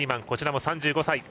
こちらも３５歳。